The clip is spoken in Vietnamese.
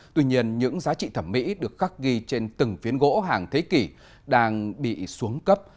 tuy nhiên những giá trị thẩm mỹ được khắc ghi trên từng phiến gỗ hàng thế kỷ đang bị xuống cấp